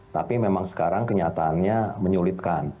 tapi memang sekarang kenyataannya menyulitkan